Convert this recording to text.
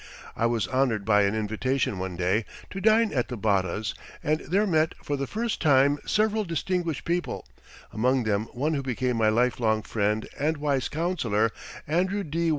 I was honored by an invitation one day to dine at the Bottas' and there met for the first time several distinguished people, among them one who became my lifelong friend and wise counselor, Andrew D.